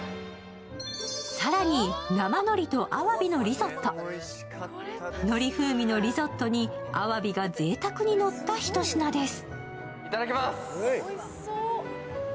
更に生海苔とあわびのリゾットのり風味のリゾットにあわびがぜいたくにのったひと品です。